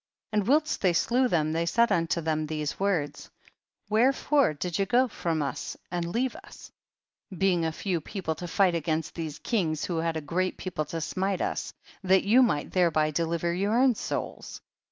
44. And whilst they slew them, they said unto them these words, 45. Wherefore did you go from us and leave us, being a few people, to fight against these kings who had a great people to smite us, that you might thereby deliver your own souls